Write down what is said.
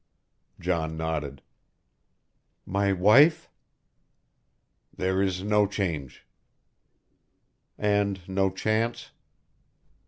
John nodded. "My wife?" "There is no change." "And no chance."